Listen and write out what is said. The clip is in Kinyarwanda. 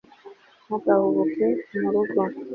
ntugahubuke mu rugo